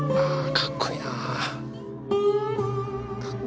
かっこいいな。